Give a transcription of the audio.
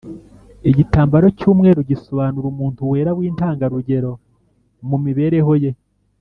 igitambaro cy’umweru gisobanura umuntu wera w’intangarugero mu mibereho ye